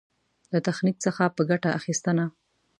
له تخنيک څخه په ګټه اخېستنه.